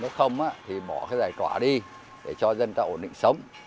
nếu không thì bỏ cái giải tỏa đi để cho dân tạo ổn định sống